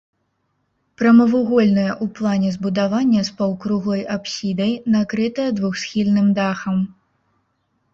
Прамавугольнае ў плане збудаванне з паўкруглай апсідай накрытае двухсхільным дахам.